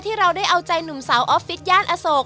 เราได้เอาใจหนุ่มสาวออฟฟิศย่านอโศก